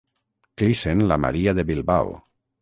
Clissen la Maria de Bilbao.